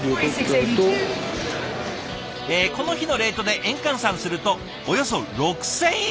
えこの日のレートで円換算するとおよそ６，０００円！